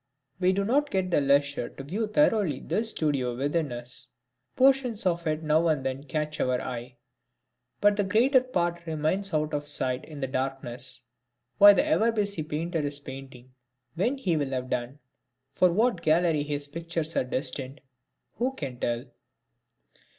We do not get the leisure to view thoroughly this studio within us. Portions of it now and then catch our eye, but the greater part remains out of sight in the darkness. Why the ever busy painter is painting; when he will have done; for what gallery his pictures are destined who can tell?